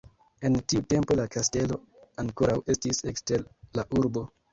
En tiu tempo la kastelo ankoraŭ estis ekster la urbo.